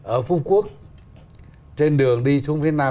ở phú quốc trên đường đi xuống việt nam